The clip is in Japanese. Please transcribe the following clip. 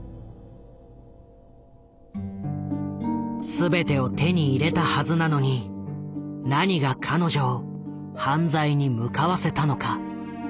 全てを手に入れたはずなのに何が彼女を犯罪に向かわせたのか。